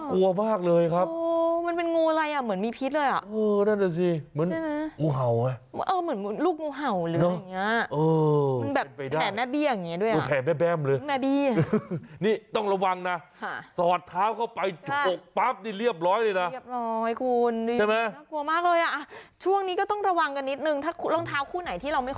เค้าคุณบอกให้เคาะมีใครอยู่มากอย่างนี้หรอ